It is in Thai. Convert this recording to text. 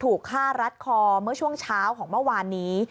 ถูกฆ่ารัดคอเมื่อช่วงเช้าของเมื่อวานนี้